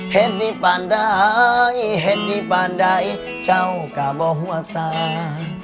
เหตุดีป่านใดเหตุดีป่านใดเจ้าก็บ่หัวสา